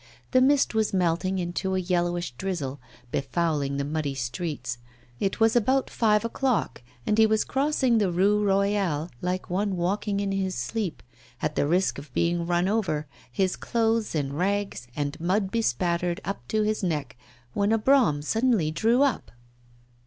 The mist was melting into a yellowish drizzle, befouling the muddy streets. It was about five o'clock, and he was crossing the Rue Royale like one walking in his sleep, at the risk of being run over, his clothes in rags and mud bespattered up to his neck, when a brougham suddenly drew up.